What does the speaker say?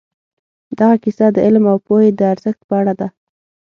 دغه کیسه د علم او پوهې د ارزښت په اړه ده.